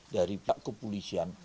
dari pihak kepolisian